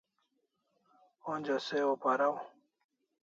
Onja se o paraw